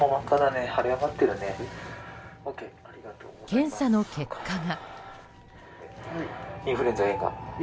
検査の結果が。